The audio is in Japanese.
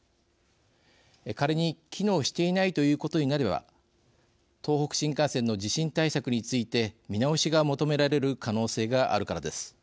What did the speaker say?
仮に、機能していないということになれば東北新幹線の地震対策について見直しが求められる可能性があるからです。